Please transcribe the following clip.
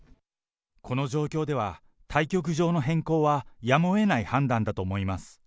この状況では、対局場の変更はやむをえない判断だと思います。